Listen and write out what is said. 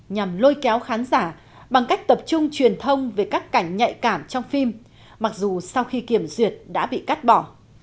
nhằm lôi kéo khán giả bằng cách tập trung truyền thông về các cảnh nhạy cảm trong phim mặc dù sau khi kiểm duyệt đã bị cắt bỏ